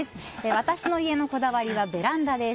私の家のこだわりはベランダです。